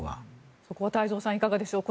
そこは太蔵さん、いかがでしょう。